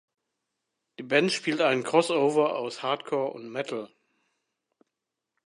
Die Band spielt einen Crossover aus Hardcore und Metal.